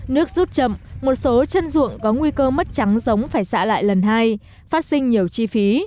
nước rút chậm một số chân ruộng có nguy cơ mất trắng giống phải xạ lại lần hai phát sinh nhiều chi phí